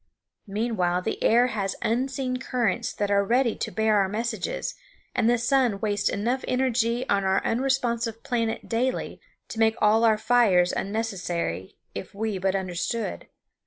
Meanwhile the air has unseen currents that are ready to bear our messages, and the sun wastes enough energy on our unresponsive planet daily to make all our fires unnecessary, if we but understood.